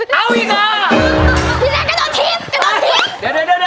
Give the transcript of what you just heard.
เดี๋ยว